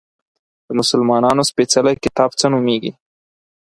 د مسلمانانو سپیڅلی کتاب څه نومیږي؟